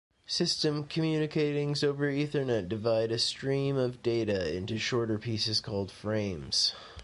Systems communicating over Ethernet divide a stream of data into shorter pieces called frames.